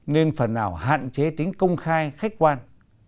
nên phần nào hạn chế tính công khai khách quan